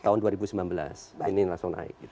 tahun dua ribu sembilan belas ini langsung naik